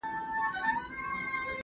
روښانه فکر ناکامي نه پیدا کوي.